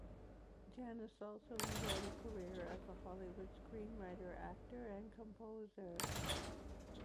Janis also enjoyed a career as a Hollywood screenwriter, actor, and composer.